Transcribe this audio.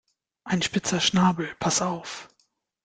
Ein spitzer Schnabel, pass auf!